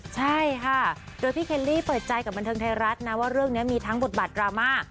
ใช่ค่ะโดยพี่เคลลี่เปิดใจกับบันเทิงไทยรัฐนะว่าเรื่องนี้มีทั้งบทบาทดราม่า